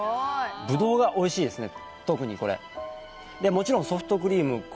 ぶどうがおいしいですね